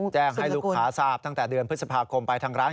ให้ลูกค้าทราบตั้งแต่เดือนพฤษภาคมไปทางร้าน